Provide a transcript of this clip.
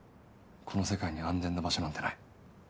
この世界に安全な場所なんてない。